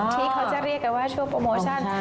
ที่เขาจะเรียกกันว่าช่วงโปรโมชั่น